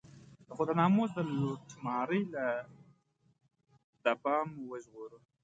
خو د ناموس د لوټمارۍ له دبا مو وژغوره.